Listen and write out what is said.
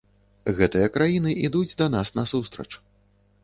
Гэтыя краіны ідуць да нас насустрач.